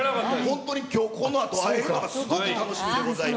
本当にきょうこのあと、会えるのがすごく楽しみでございます。